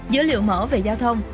dữ liệu mở về giao thông